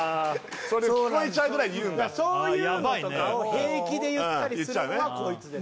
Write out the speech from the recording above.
聞こえちゃうぐらいに言うんだそういうのとかを平気で言ったりするのがコイツです